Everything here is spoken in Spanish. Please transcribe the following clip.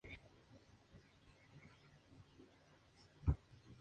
La carne vacuna.